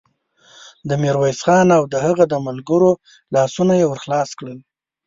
د ميرويس خان او د هغه د ملګرو لاسونه يې ور خلاص کړل.